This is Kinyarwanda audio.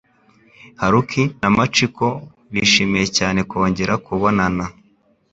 Haruki na Machiko bishimiye cyane kongera kubonana